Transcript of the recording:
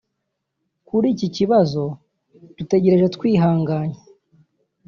kuri iki kibazo dutegereje twihanganye